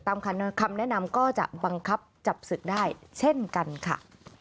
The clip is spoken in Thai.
คำแนะนำก็จะบังคับจับศึกได้เช่นกันค่ะ